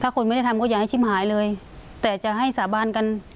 คนไม่ได้ทำก็อย่าให้ชิมหายเลยแต่จะให้สาบานกัน